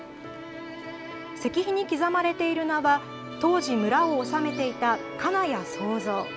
石碑に刻まれている名は、当時村を治めていた金谷総蔵。